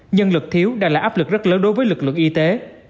nhân lực thiếu đã là áp lực rất lớn đối với lực lượng y tế